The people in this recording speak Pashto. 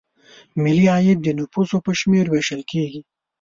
ملي عاید د نفوسو په شمېر ویشل کیږي.